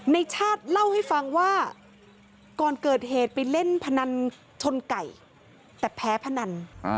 ในชาติเล่าให้ฟังว่าก่อนเกิดเหตุไปเล่นพนันชนไก่แต่แพ้พนัน